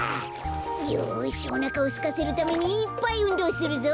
よしおなかをすかせるためにいっぱいうんどうするぞ。